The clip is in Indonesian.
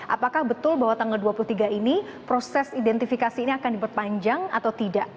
apakah betul bahwa tanggal dua puluh tiga ini proses identifikasi ini akan diperpanjang atau tidak